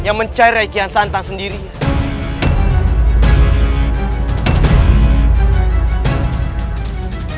yang mencari rai kian santang sendirian